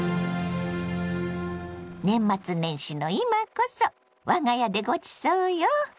年末年始の今こそ我が家でごちそうよ。